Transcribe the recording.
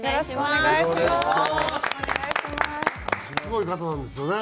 すごい方なんですよね？